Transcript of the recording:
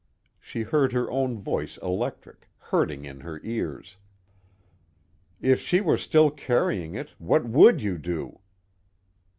She heard her own voice electric, hurting in her ears. "If she were still carrying it, what would you do?